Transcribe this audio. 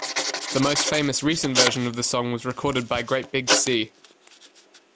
The most famous recent version of the song was recorded by Great Big Sea.